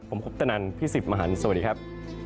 ผมคุกตะนันพี่สิบมหันสวัสดีครับ